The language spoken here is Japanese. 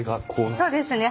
そうですね。